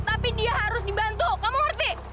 tapi dia harus dibantu kamu ngerti